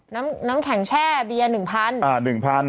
น้ำแข็งแช่เบียน๑๐๐๐